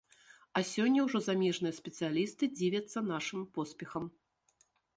А сёння ўжо замежныя спецыялісты дзівяцца нашым поспехам.